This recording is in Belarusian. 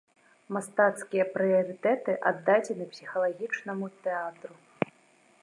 Мастацкія прыярытэты аддадзены псіхалагічнаму тэатру.